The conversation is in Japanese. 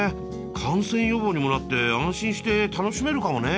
感染予防にもなって安心して楽しめるかもね